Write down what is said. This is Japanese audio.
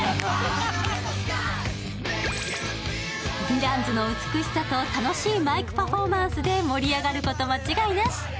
ヴィランズの美しさと楽しいマイクパフォーマンスで盛り上がること間違いなし。